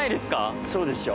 そうでしょ。